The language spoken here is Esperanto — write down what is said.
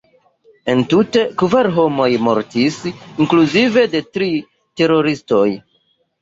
Entute, kvar homoj mortis, inkluzive de tri teroristoj.